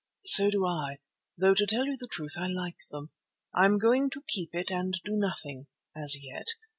"So do I, though to tell you the truth I like them. I am going to keep it and do nothing—as yet.